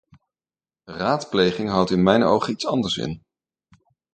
Raadpleging houdt in mijn ogen iets anders in.